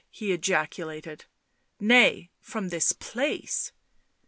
he ejaculated. "Nay ... from this place."